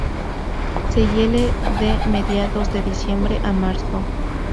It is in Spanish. Se hiela de mediados de diciembre a marzo.